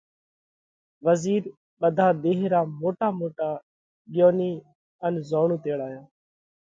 وزِير ٻڌا ۮيه را موٽا موٽا ڳيونِي ان زوڻُو تيڙايا